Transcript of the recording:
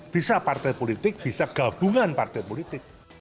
bisa partai politik bisa gabungan partai politik